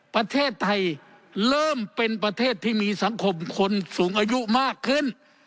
ประเทศไทยเริ่มเป็นประเทศที่มีสังคมคนสูงอายุมากขึ้น